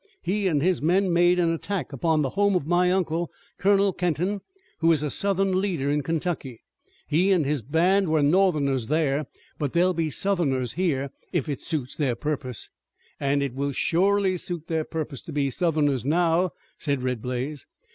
He and his men made an attack upon the home of my uncle, Colonel Kenton, who is a Southern leader in Kentucky. He and his band were Northerners there, but they will be Southerners here, if it suits their purpose." "An' it will shorely suit their purpose to be Southerners now," said Red Blaze.